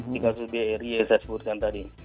di kasus bri yang saya sebutkan tadi